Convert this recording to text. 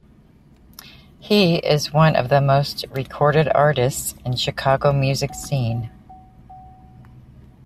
He is one of the most recorded artists in Chicago music scene.